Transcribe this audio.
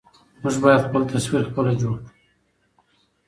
موږ بايد خپل تصوير خپله جوړ کړو.